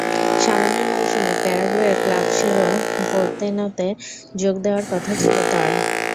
সামনের মৌসুমে প্যারাগুয়ের ক্লাব সেরো পোরতেনোতে যোগ দেওয়ার কথা ছিল তাঁর।